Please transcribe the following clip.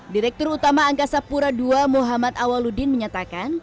direktur utama angkasa pura ii muhammad awaludin menyatakan